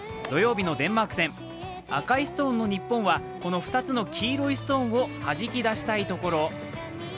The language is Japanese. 土曜日のデンマーク戦赤いストーンの日本は、この２つの黄色いストーンをはじき出したいところ。